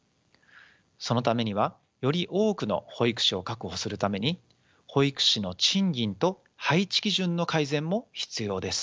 そのためにはより多くの保育士を確保するために保育士の賃金と配置基準の改善も必要です。